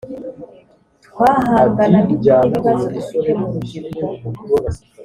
twahangana dute n’ibibazo dufite mu rubyiruko